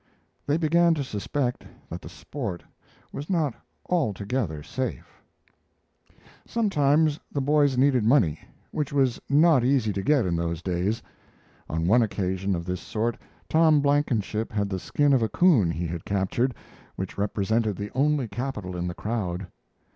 They began to suspect that the sport was not altogether safe. Sometimes the boys needed money, which was not easy to get in those days. On one occasion of this sort, Tom Blankenship had the skin of a coon he had captured, which represented the only capital in the crowd.